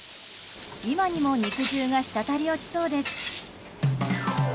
今にも肉汁がしたたり落ちそうです。